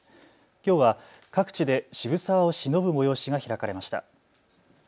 きょうは各地で渋沢をしのぶ催しが開かれました。